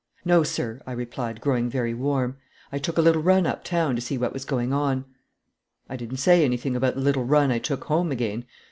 "No, sir," I replied, growing very warm, "I took a little run up town to see what was going on." I didn't say anything about the little run I took home again!